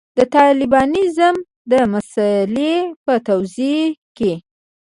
د طالبانیزم د مسألې په توضیح کې.